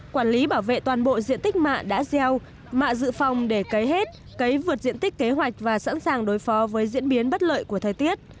quản lý bảo vệ toàn bộ diện tích mạ đã gieo mạ dự phòng để cấy hết cấy vượt diện tích kế hoạch và sẵn sàng đối phó với diễn biến bất lợi của thời tiết